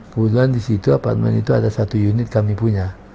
kebetulan di situ apartemen itu ada satu unit kami punya